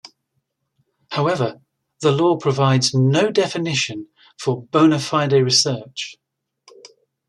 However, the law provides no definition for "bona fide research".